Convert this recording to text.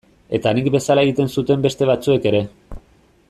Eta nik bezala egiten zuten beste batzuek ere.